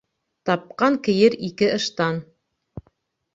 Тапҡан кейер ике ыштан